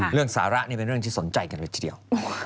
เรื่องสาระนี่เป็นเรื่องที่สนใจกันแค่เดียว